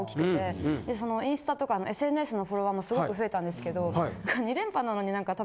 インスタとかＳＮＳのフォロワーもすごく増えたんですけど。